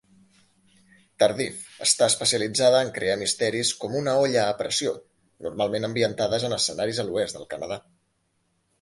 Tardif "està especialitzada en crear misteris com una olla a pressió, normalment ambientades en escenaris a l'Oest del Canadà.